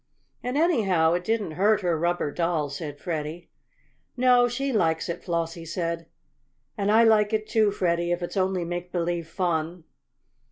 "And, anyhow, it didn't hurt her rubber doll," said Freddie. "No, she likes it," Flossie said. "And I like it too, Freddie, if it's only make believe fun."